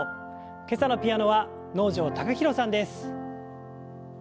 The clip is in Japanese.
今朝のピアノは能條貴大さんです。